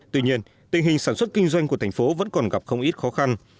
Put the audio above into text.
tuy nhiên tình hình sản xuất kinh doanh của thành phố vẫn còn gặp không ít khó khăn